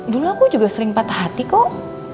dulu aku juga sering patah hati kok